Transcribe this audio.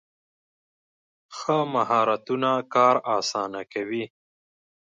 ښه مهارتونه کار اسانه کوي.